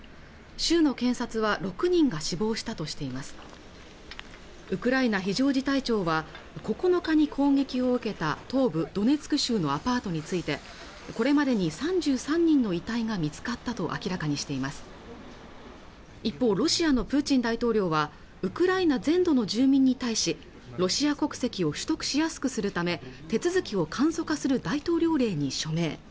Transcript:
州の検察は６人が死亡したとしていますウクライナ非常事態庁は９日に攻撃を受けた東部ドネツク州のアパートについてこれまでに３３人の遺体が見つかったと明らかにしています一方ロシアのプーチン大統領はウクライナ全土の住民に対しロシア国籍を取得しやすくするため手続きを簡素化する大統領令に署名